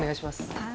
はい。